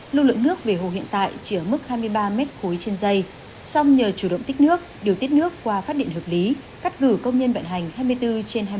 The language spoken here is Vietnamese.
lưu lượng nước về hồ hiện tại chỉ ở mức hai mươi ba m ba trên dây song nhờ chủ động tích nước điều tiết nước qua phát điện hợp lý cắt cử công nhân vận hành hai mươi bốn trên hai mươi bốn